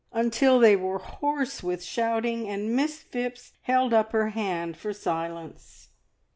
until they were hoarse with shouting, and Miss Phipps held up her hand for silence.